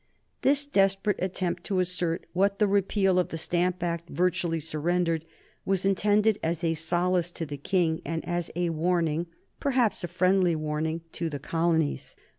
This desperate attempt to assert what the repeal of the Stamp Act virtually surrendered was intended as a solace to the King and as a warning perhaps a friendly warning to the colonies.